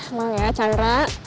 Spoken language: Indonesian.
emang ya chandra